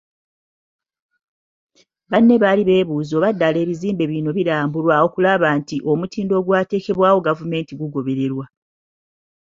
Bano bali beebuuza oba ddala ebizimbe bino birambulwa okulaba nti omutindo ogwateekebwawo gavumenti gugobererwa.